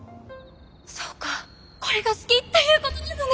「そうかこれが好きっていうことなのね！」。